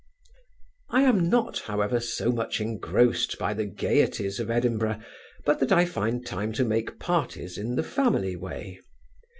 I am not, however, so much engrossed by the gaieties of Edinburgh, but that I find time to make parties in the family way.